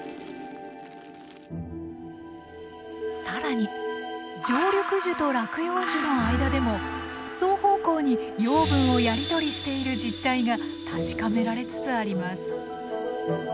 更に常緑樹と落葉樹の間でも双方向に養分をやり取りしている実態が確かめられつつあります。